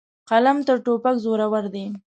قلم تر توپک زورور دی.